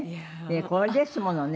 これですものね。